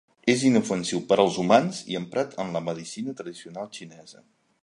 És inofensiu per als humans i emprat en la medicina tradicional xinesa.